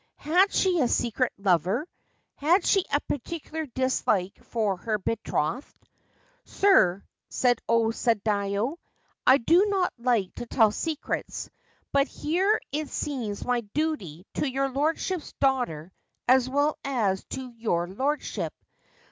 Had she a secret lover ? Had she a particular dislike for her betrothed? 4 Sir/ said O Sadayo, ' I do not like to tell secrets ; but here it seems my duty to your lordship's daughter as well as to your lordship.